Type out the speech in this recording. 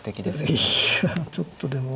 いやちょっとでも。